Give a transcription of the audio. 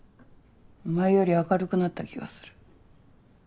前より明るくなった気がする。